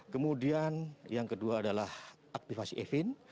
kemudian yang kedua adalah aktifasi e fin